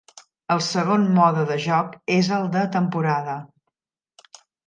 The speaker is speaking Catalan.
El segon mode de joc és el de temporada.